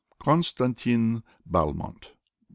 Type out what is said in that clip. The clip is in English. Konstantin Balmont (B.